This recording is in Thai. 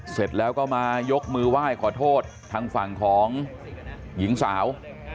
เสร็จแล้วก็มายกมือไหว้ขอโทษทางฝั่งของหญิงสาว